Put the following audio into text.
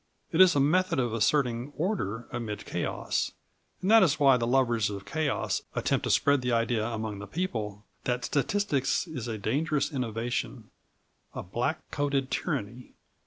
It is a method of asserting order amid chaos, and that is why the lovers of chaos attempt to spread the idea among the people that statistics is a dangerous innovation, a black coated tyranny.